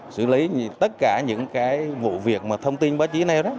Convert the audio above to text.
xử lý tất cả những cái vụ việc mà thông tin báo chí nêu đó